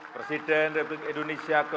presiden republik indonesia ke lima